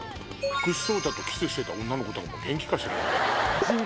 福士蒼汰とキスしてた女の子も元気かしらね。